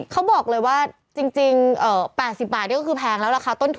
เขาบอกเลยว่าจริง๘๐บาทก็คือแพงแล้วนะคะ